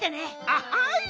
あっはい！